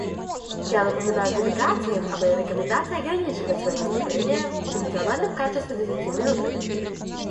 Я напоминаю делегациям о моей рекомендации ограничивать свои выступления в национальном качестве десятью минутами.